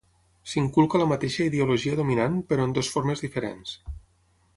S'inculca la mateixa ideologia dominant, però en dues formes diferents.